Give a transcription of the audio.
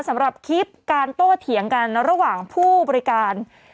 สำหรับคลิปการโต้เถียงกันระหว่างผู้บริการ